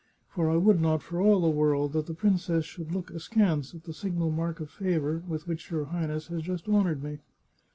For I would not, for all the world, that the princess should look askance at the signal mark of favour with which your High ness has just honoured me."